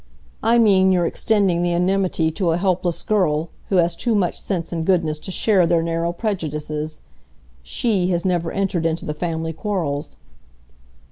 I mean your extending the enmity to a helpless girl, who has too much sense and goodness to share their narrow prejudices. She has never entered into the family quarrels."